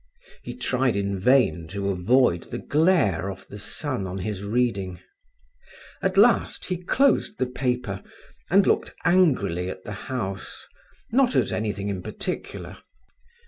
He tried in vain to avoid the glare of the sun on his reading. At last he closed the paper and looked angrily at the house—not at anything in particular.